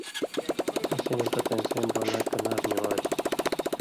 اسی نہ پتَیں زَیں بولاں کنار نی والیۡ،